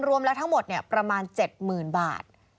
รวมแล้วทั้งหมดประมาณ๗๐๐๐บาท